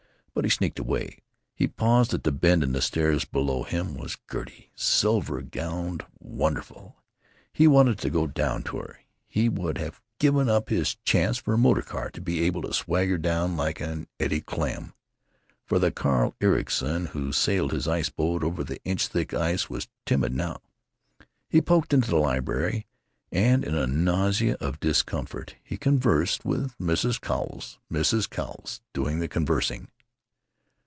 But he sneaked away. He paused at the bend in the stairs. Below him was Gertie, silver gowned, wonderful. He wanted to go down to her. He would have given up his chance for a motor car to be able to swagger down like an Eddie Klemm. For the Carl Ericson who sailed his ice boat over inch thick ice was timid now. He poked into the library, and in a nausea of discomfort he conversed with Mrs. Cowles, Mrs. Cowles doing the conversing.